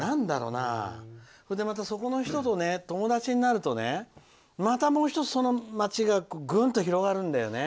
そこの人と友達になるとまたもう１つ、その街がぐーんと広がるんだよね。